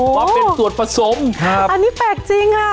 มาเป็นส่วนผสมครับอันนี้แปลกจริงค่ะ